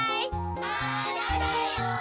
・まだだよ。